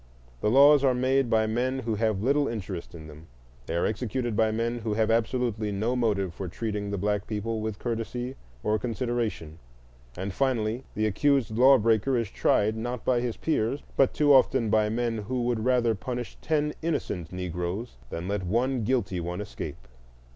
The laws are made by men who have little interest in him; they are executed by men who have absolutely no motive for treating the black people with courtesy or consideration; and, finally, the accused law breaker is tried, not by his peers, but too often by men who would rather punish ten innocent Negroes than let one guilty one escape.